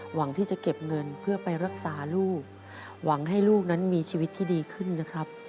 หวังที่จะเก็บเงินเพื่อไปรักษาลูกหวังให้ลูกนั้นมีชีวิตที่ดีขึ้นนะครับ